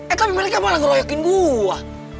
eh tapi mereka malah ngeroyokin gue